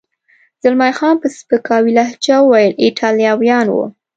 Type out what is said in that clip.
زلمی خان په سپکاوي ډوله لهجه وویل: ایټالویان و.